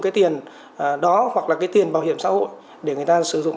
cái tiền đó hoặc là cái tiền bảo hiểm xã hội để người ta sử dụng